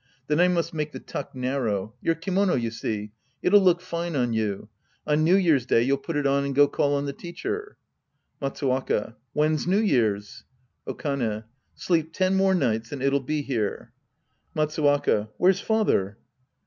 Then I must make the tuck narrow. Your kimono, you see. It'll look fine on you. On New Year's day you'll put it on and go call on the teacher. Matsuwaka. When's New Year's ? Okane. Sleep ten more nights and it'll be here. Matsuwaka. Where's father